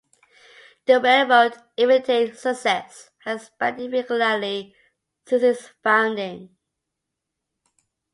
The railroad, an immediate success, has expanded regularly since its founding.